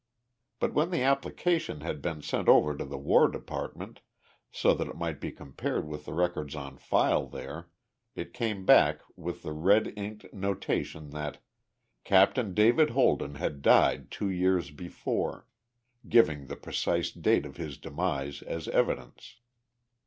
But, when the application had been sent over to the War Department so that it might be compared with the records on file there, it came back with the red inked notation that "Capt. David Holden had died two years before" giving the precise date of his demise as evidence.